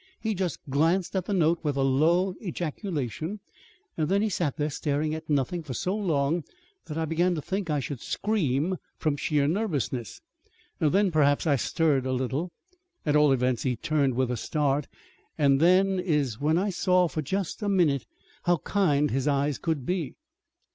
"He just glanced at the note with a low ejaculation; then he sat there staring at nothing for so long that I began to think I should scream from sheer nervousness. Then, perhaps I stirred a little. At all events, he turned with a start, and then is when I saw, for just a minute, how kind his eyes could be.